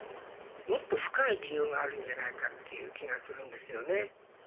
もっと深い理由があるんじゃないかっていう気がするんですよね。